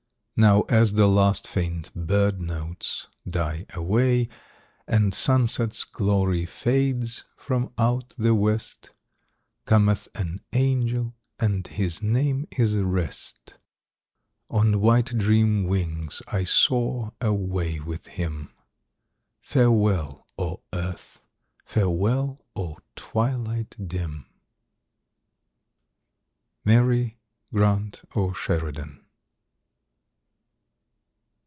Now as the last faint bird notes die away, And sunset's glory fades from out the west, Cometh an angel and his name is Rest. On white dream wings I soar away with him, Farewell, O Earth; farewell, O twilight dim! Mary Grant O'Sheridan.